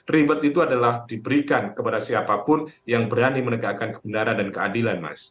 ribet itu adalah diberikan kepada siapapun yang berani menegakkan kebenaran dan keadilan mas